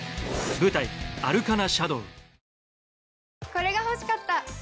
これが欲しかった！